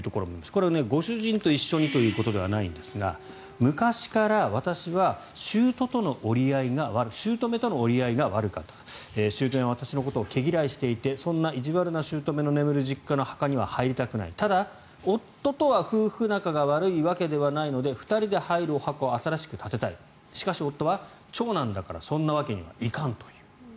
これはご主人と一緒にということではないんですが昔から私は姑との折り合いが悪かった姑は私のことを毛嫌いしていてそんな意地悪な姑が眠る実家のお墓には入りたくないただ夫とは夫婦仲が悪いわけではないので２人で入るお墓を新しく建てたいしかし、夫は長男だからそんなわけにはいかんという。